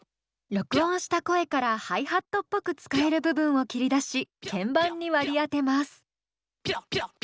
録音した声からハイハットっぽく使える部分を切り出し鍵盤に割り当てます。